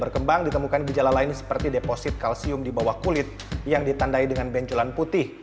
berkembang ditemukan gejala lain seperti deposit kalsium di bawah kulit yang ditandai dengan benculan putih